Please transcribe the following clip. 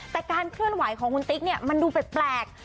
แต่การเคลื่อนไหวของคุณติ๊กเนี่ยมันดูแปลก